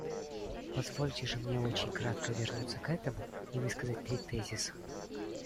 Позвольте же мне очень кратко вернуться к этому и высказать три тезиса.